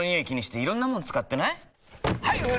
気にしていろんなもの使ってない？